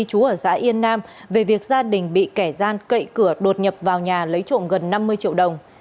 chú ở xã yên nam về việc gia đình bị kẻ gian cậy cửa đột nhập vào nhà lấy trộm gần năm mươi triệu đồng